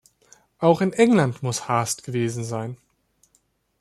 Auch in England muss Haast gewesen sein.